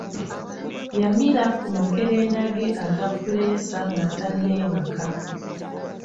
Yamira ku makerenda ge aga puleesa nga tanneebaka.